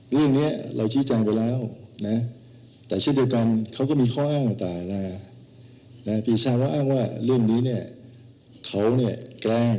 เรื่องนี้เราชี้แจงไปแล้วนะแต่เช่นเดียวกันเขาก็มีข้ออ้างต่างปีชาเขาอ้างว่าเรื่องนี้เนี่ยเขาเนี่ยแกล้ง